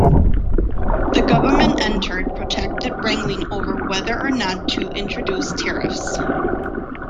The government entered protracted wrangling over whether or not to introduce tariffs.